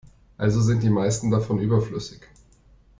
Also sind die meisten davon überflüssig.